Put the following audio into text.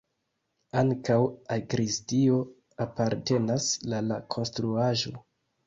Ankaŭ sakristio apartenas la la konstruaĵo.